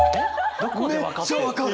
めっちゃ分かる！